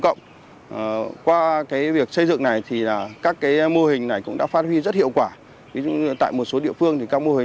cộng qua việc xây dựng này thì các mô hình này cũng đã phát huy rất hiệu quả tại một số địa phương